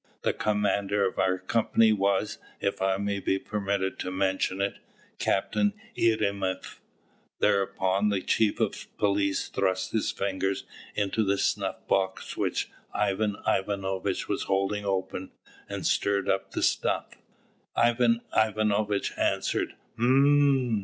The commander of our company was, if I may be permitted to mention it, Captain Eremeeff." Thereupon the chief of police thrust his fingers into the snuff box which Ivan Ivanovitch was holding open, and stirred up the snuff. Ivan Ivanovitch answered, "Hm!"